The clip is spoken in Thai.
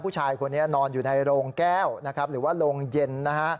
ผู้ชายคนนี้นอนอยู่ในโรงแก้วนะครับหรือว่าโรงเย็นนะฮะ